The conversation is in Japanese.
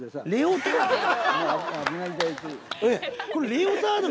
レオタード。